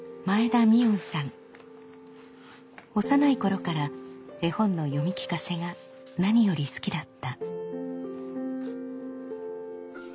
幼い頃から絵本の読み聞かせが何より好きだった。